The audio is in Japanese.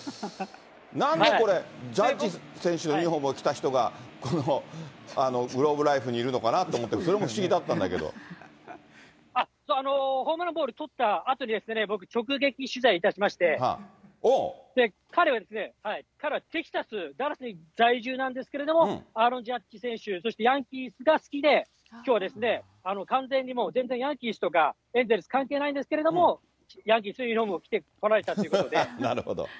なんでこれ、ジャッジ選手のユニホームを着た人が、このグローブライフにいるのかなと思ったら、それも不思議だったホームランボール捕ったあとにですね、僕、直撃取材いたしまして、彼はですね、ただ、テキサス・ダラスに在住なんですけど、アーロン・ジャッジ選手、そしてヤンキースが好きで、完全にもう全然ヤンキースとか、エンゼルス関係ないんですけど、ヤンキースのユニホーム着てこられたということで。